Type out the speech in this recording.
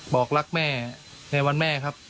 บอกรักแม่ในวันแม่ครับ